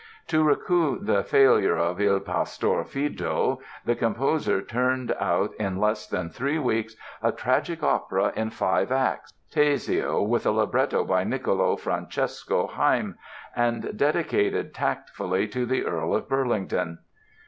To recoup the failure of "Il Pastor Fido" the composer turned out in less than three weeks a "tragic opera" in five acts, "Teseo", with a libretto by Nicolo Francesco Haym, and dedicated tactfully to the Earl of Burlington.